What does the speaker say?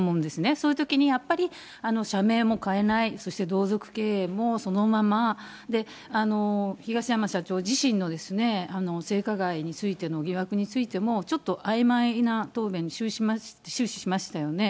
そういうときにやっぱり、社名も変えない、そして同族経営もそのまま、東山社長自身の性加害についての疑惑についても、ちょっとあいまいな答弁に終始しましたよね。